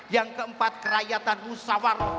yang keempat kerakyatan musawar